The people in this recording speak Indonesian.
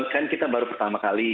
kan kita baru pertama kali